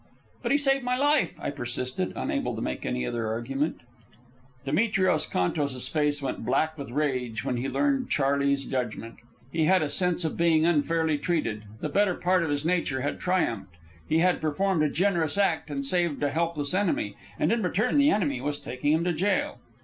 "But he saved my life," I persisted, unable to make any other argument. [Illustration: "There, in the stern, sat Demetrios Contos."] Demetrios Contos's face went black with rage when he learned Charley's judgment. He had a sense of being unfairly treated. The better part of his nature had triumphed, he had performed a generous act and saved a helpless enemy, and in return the enemy was taking him to jail.